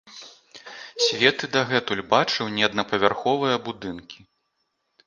Свет і дагэтуль бачыў неаднапавярховыя будынкі.